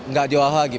nggak diolah olah lagi